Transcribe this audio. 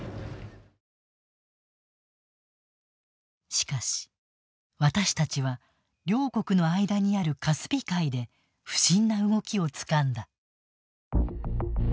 しかし、私たちは両国の間にあるカスピ海で不審な動きをつかんだ。